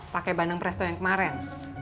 pakai bandeng presto yang kemarin